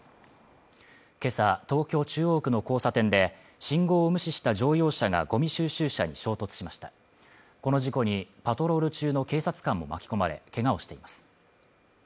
今朝、東京・中央区の交差点で信号を無視した乗用車がゴミ収集車に衝突しましたこの事故にパトロール中の警察官も巻き込まれけがをしています